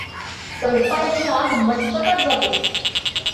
तळपायाची आग मस्तकात जाते.